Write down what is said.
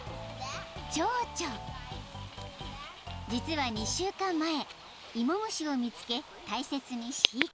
［実は２週間前芋虫を見つけ大切に飼育］